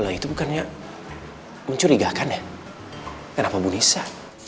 kalau itu bukannya mencurigakan ya kenapa bu nisa